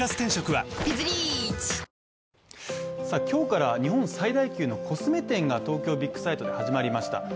今日から日本最大級のコスメ展が東京ビックサイトで始まりました。